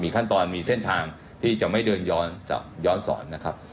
ขั้นตอนมีเส้นทางที่จะไม่เดินย้อนสอนนะครับ